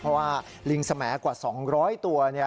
เพราะว่าลิงสมกว่า๒๐๐ตัว